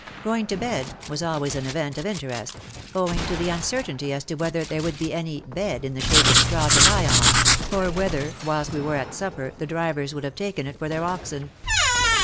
" Going to bed " was always an event of interest, owing to the uncertainty as to whether there would be any " bed " in the shape of straw to lie on, or whether, whilst we were at supper, the drivers would have taken it for their oxen.